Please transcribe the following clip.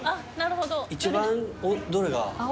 一番どれが。